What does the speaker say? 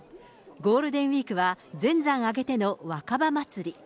ゴールデンウィークは全山挙げての若葉まつり。